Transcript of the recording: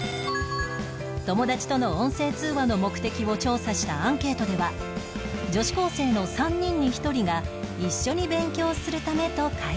友達との音声通話の目的を調査したアンケートでは女子高生の３人に１人が一緒に勉強するためと解答